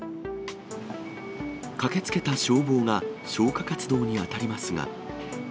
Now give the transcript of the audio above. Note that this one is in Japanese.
駆けつけた消防が、消火活動に当たりますが。